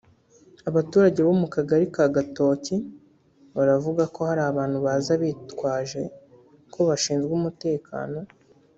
Abaturage bo mu kagari ka Gatoki baravuga ko hari abantu baza bitwaje ko bashinzwe umutekano